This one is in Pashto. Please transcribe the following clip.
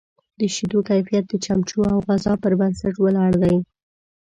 د شیدو کیفیت د چمچو او غذا پر بنسټ ولاړ دی.